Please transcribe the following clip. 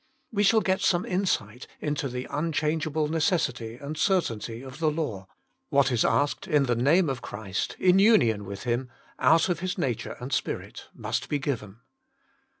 We shall get some insight into the unchangeable necessity and certainty of the law: what is asked in the Name of Christ, in union with Him, out of His nature and Spirit, must be given.